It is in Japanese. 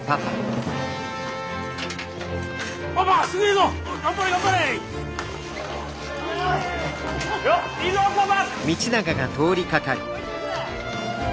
いよっいいぞパパ！